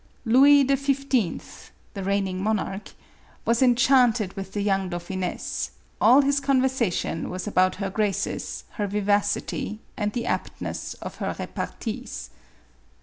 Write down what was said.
Louis XV. ^the reigning monarch) was enchanted with the young dauphiness ; all his con versation was about her graces, her vivacity, and the aptness of her repartees.